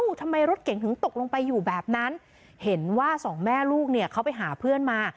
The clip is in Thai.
ทำไมรถเก่งถึงตกลงไปอยู่แบบนั้นเห็นว่าสองแม่ลูกเนี่ยเขาไปหาเพื่อนมา